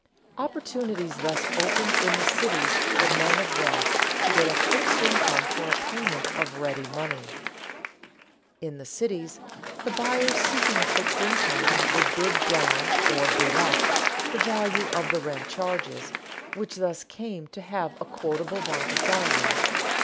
Opportunities thus opened in the cities for men of wealth to get a fixed income for a payment of ready money. In the cities, the buyers seeking a fixed income would bid down, or bid up, the value of the rent charges, which thus came to have a quotable market value.